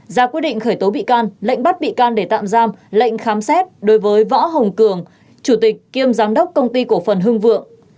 ra quyết định khởi tố bị can lệnh bắt bị can để tạm giam lệnh khám xét đối với võ hồng cường chủ tịch kiêm giám đốc công ty cổ phần hưng vượng